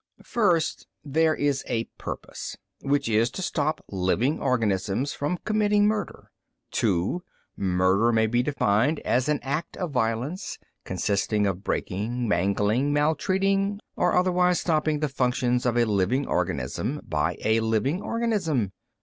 "First, there is a purpose. Which is to stop living organisms from committing murder. Two, murder may be defined as an act of violence, consisting of breaking, mangling, maltreating or otherwise stopping the functions of a living organism by a living organism.